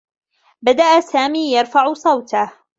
بدأ سامي يرفع صوته.